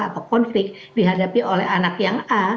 atau konflik dihadapi oleh anak yang a